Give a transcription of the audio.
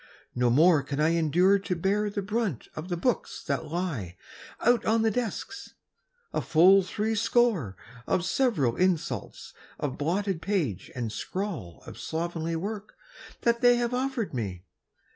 No more can I endure to bear the brunt Of the books that lie out on the desks: a full three score Of several insults of blotted page and scrawl Of slovenly work that they have offered me.